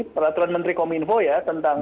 peraturan menteri kominfo ya tentang